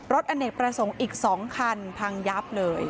อเนกประสงค์อีก๒คันพังยับเลย